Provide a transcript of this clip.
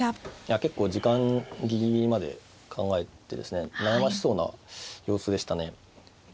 結構時間ギリギリまで考えてですね悩ましそうな様子でしたね。